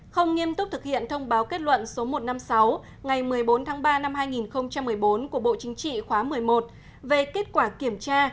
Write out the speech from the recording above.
không nghiêm túc thực hiện thông báo kết luận số một trăm năm mươi sáu ngày một mươi bốn tháng ba năm hai nghìn một mươi bốn của bộ chính trị khóa một mươi một về kết quả kiểm tra